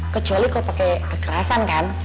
kecuali kalau pakai kekerasan kan